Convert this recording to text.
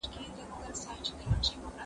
زه کار نه کوم!!